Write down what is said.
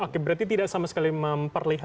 oke berarti tidak sama sekali memperlihatkan